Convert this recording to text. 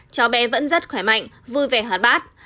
cháu bé vẫn rất khỏe mạnh vui vẻ bát